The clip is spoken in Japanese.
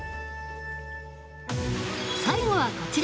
最後は、こちら。